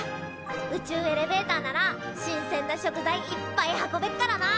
宇宙エレベーターならしんせんな食材いっぱい運べっからな！